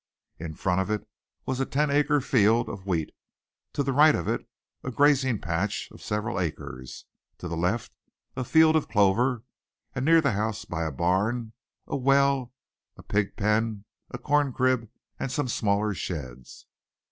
In front of it was a ten acre field of wheat, to the right of it a grazing patch of several acres, to the left a field of clover; and near the house by a barn, a well, a pig pen, a corn crib and some smaller sheds.